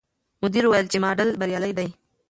مدیر وویل چې ماډل بریالی دی.